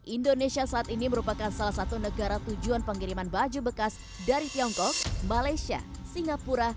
indonesia saat ini merupakan salah satu negara tujuan pengiriman baju bekas dari tiongkok malaysia singapura